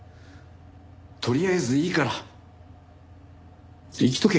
とりあえずでいいから生きとけ。